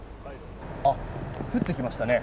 降ってきましたね。